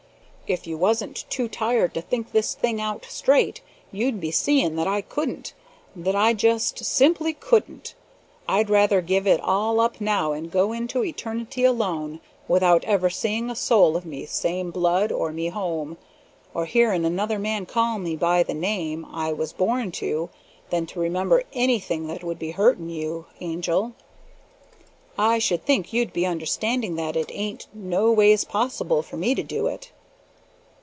If you wasn't too tired to think this thing out straight, you'd be seeing that I couldn't that I just simply couldn't! I'd rather give it all up now and go into eternity alone, without ever seeing a soul of me same blood, or me home, or hearing another man call me by the name I was born to, than to remember anything that would be hurting you, Angel. I should think you'd be understanding that it ain't no ways possible for me to do it."